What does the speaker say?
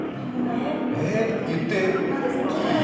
言っていい？